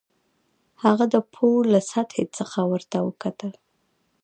هغه د پوړ له سطحې څخه ورته وکتل